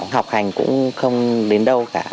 học hành cũng không đến đâu cả